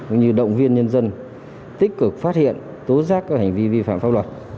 cũng như động viên nhân dân tích cực phát hiện tố giác các hành vi vi phạm pháp luật